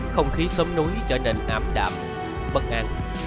không khí xóm núi trở nên ám đạm bất an